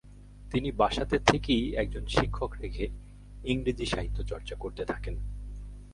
তিনি বাসাতে থেকেই একজন শিক্ষক রেখে ইংরেজি সাহিত্য চর্চা করতে থাকেন।